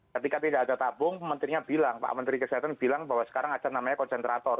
ketika tidak ada tabung menterinya bilang pak menteri kesehatan bilang bahwa sekarang ada namanya konsentrator